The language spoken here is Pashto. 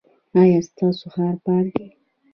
ایا ستاسو ښار پاک دی؟